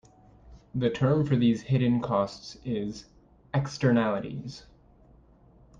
The term for these hidden costs is "Externalities".